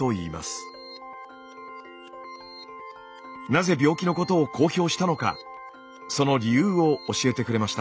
なぜ病気のことを公表したのかその理由を教えてくれました。